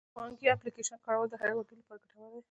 د بانکي اپلیکیشن کارول د هر وګړي لپاره ګټور دي.